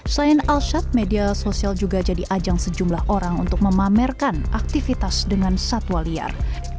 selain alshad media sosial juga jadi ajang sejumlah orang untuk memamerkan aktivitas dengan satwa liar